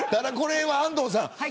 安藤さん